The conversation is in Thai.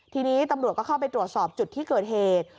ทีนี้ตำรวจก็เข้าไปตรวจสอบจุดที่เกิดเหตุ